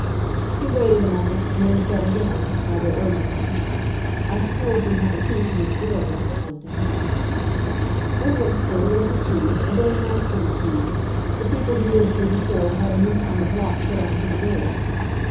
He waited a moment, and then said again, rather urgently, "I suppose you have a key to this door, Mrs. Bunting?" "Oh, yes, sir, there's a key—a very nice little key. The people who lived here before had a new kind of lock put on to the door."